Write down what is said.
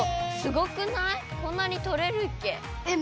こんなにとれるっけ？